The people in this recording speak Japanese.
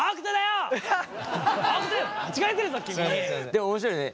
でも面白いね。